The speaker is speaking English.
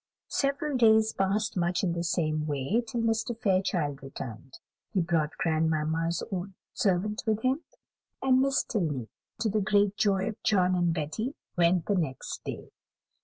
Several days passed much in the same way, till Mr. Fairchild returned. He brought grandmamma's own servant with him; and Miss Tilney, to the great joy of John and Betty, went the next day.